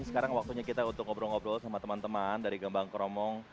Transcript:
sekarang waktunya kita untuk ngobrol ngobrol sama teman teman dari gembang keromong